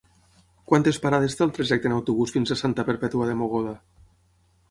Quantes parades té el trajecte en autobús fins a Santa Perpètua de Mogoda?